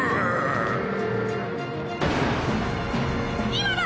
今だ！